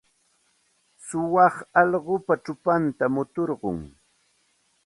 Suwa allqupa chupantam muturqun.